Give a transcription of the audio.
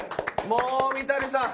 もう三谷さん。